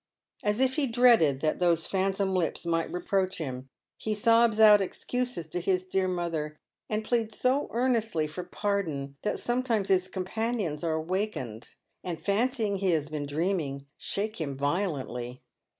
As if he dreaded that those phantom lips might reproach him, he sobs a out excuses to his " dear mother," and pleads so earnestly for pardon, that sometimes his companions are awakened, and fancying he has been dreaming, shake him violently.